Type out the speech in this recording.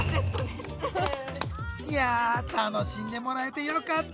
いや楽しんでもらえてよかった。